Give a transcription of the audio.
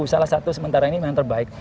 salah satu sementara ini memang terbaik